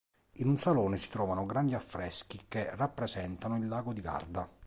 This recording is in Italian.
In un salone si trovano grandi affreschi che rappresentano il Lago di Garda.